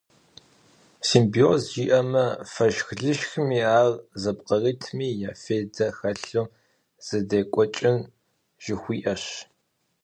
Симбиоз жиӏэмэ, фэшх-лышхми ар зыпкърытми я фейдэ хэлъу зэдекӏуэкӏын жыхуиӏэщ.